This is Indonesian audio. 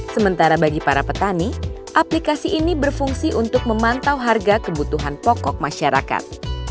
sementara bagi para petani aplikasi ini berfungsi untuk memantau harga kebutuhan pokok masyarakat